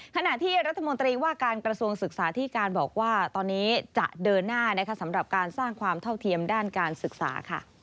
ขณะที่รัฐมนตรีว่าการกระทรวงศึกษาที่การบอกว่าตอนนี้จะเดินหน้าสำหรับการสร้างความเท่าเทียมด้านการศึกษาค่ะ